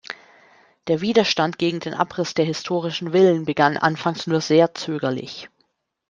Der Widerstand gegen den Abriss der historistischen Villen begann anfangs nur sehr zögerlich.